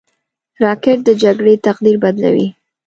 راکټ د جګړې تقدیر بدلوي